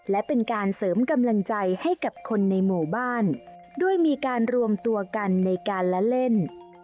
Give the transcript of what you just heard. และเป็นการเสริมกำลังใจให้กับคนในหมู่บ้านด้วยมีการรวมตัวกันในการละเล่น